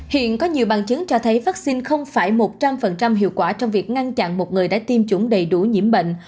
hiện có nhiều bằng chứng cho thấy vaccine không phải một trăm linh hiệu quả trong việc ngăn chặn một người đã tiêm chủng đầy đủ nhiễm bệnh